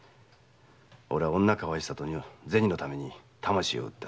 俺は女かわいさと銭のために魂を売った。